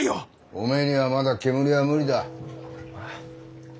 おめえにはまだ煙は無理だ。え。